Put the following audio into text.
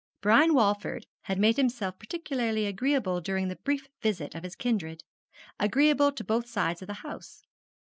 Brian Walford had made himself particularly agreeable during the brief visit of his kindred agreeable to both sides of the house.